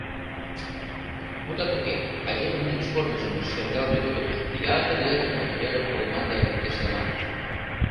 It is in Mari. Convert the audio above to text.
Мутат уке, айдемын илыш корныжым шергалме годым ятыр-ятыр материалым погыман да иктешлыман.